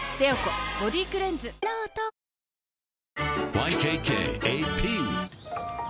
ＹＫＫＡＰ